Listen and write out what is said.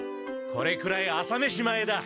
これくらい朝めし前だ。